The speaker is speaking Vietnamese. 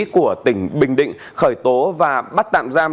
của tỉnh bình định khởi tố và bắt tạm giam